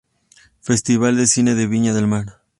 Festival de Cine de Viña del Mar